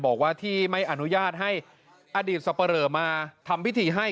บอกว่าที่ไม่อนุญาตให้อดีตสับปะเหลอมาทำพิธีให้